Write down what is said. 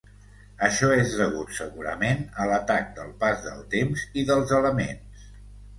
Això és degut segurament a l'atac del pas del temps i dels elements.